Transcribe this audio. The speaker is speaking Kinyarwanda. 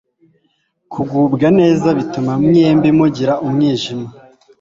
kugubwa neza Bituma mwembi mugira umwijima